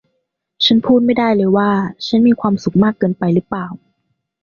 ฉันพูดไม่ได้เลยว่าฉันมีความสุขมากเกินไปหรือเปล่า